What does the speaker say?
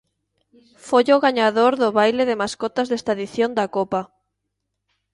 Foi o gañador do baile de mascotas desta edición da Copa.